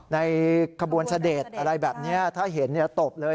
ในขบวนเสด็จอะไรแบบนี้ถ้าเห็นตบเลย